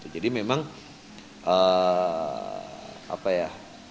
jadi memang apa ya